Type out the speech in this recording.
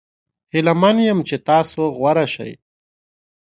هیله من یم چې تاسو غوره شي.